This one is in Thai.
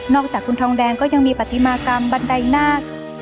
จากคุณทองแดงก็ยังมีปฏิมากรรมบันไดนาค